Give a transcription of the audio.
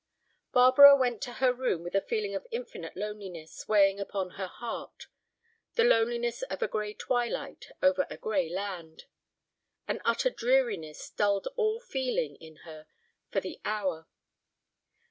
Barbara went to her room with a feeling of infinite loneliness weighing upon her heart, the loneliness of a gray twilight over a gray land. An utter dreariness dulled all feeling in her for the hour.